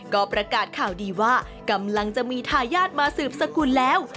ก็ประกาศข่าวดีว่ากำลังจะมีทายาทมาสืบสกุลแล้ว